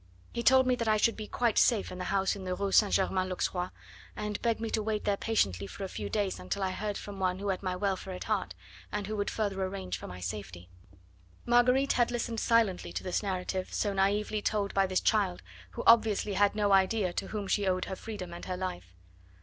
He told me that I should be quite safe in the house in the Rue St. Germain l'Auxerrois, and begged me to wait there patiently for a few days until I heard from one who had my welfare at heart, and who would further arrange for my safety." Marguerite had listened silently to this narrative so naively told by this child, who obviously had no idea to whom she owed her freedom and her life.